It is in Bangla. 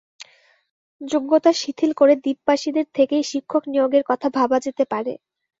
যোগ্যতা শিথিল করে দ্বীপবাসীদের থেকেই শিক্ষক নিয়োগের কথা ভাবা যেতে পারে।